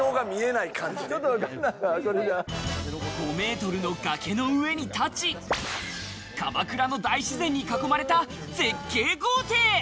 ５メートルの崖の上に立ち、鎌倉の大自然に囲まれた絶景豪邸！